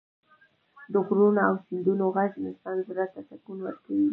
د غرونو او سیندونو غږ د انسان زړه ته سکون ورکوي.